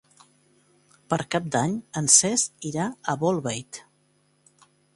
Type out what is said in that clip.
Per Cap d'Any en Cesc irà a Bolbait.